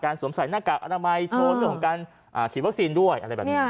สวมใส่หน้ากากอนามัยโชว์เรื่องของการฉีดวัคซีนด้วยอะไรแบบนี้